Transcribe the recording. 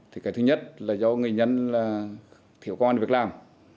thứ nhất là do người dân thiểu con việc làm